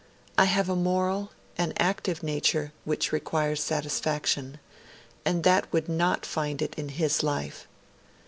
I have a moral, an active nature which requires satisfaction, and that would not find it in his life.